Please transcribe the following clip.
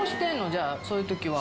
じゃあそういうときは。